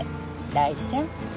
大ちゃん。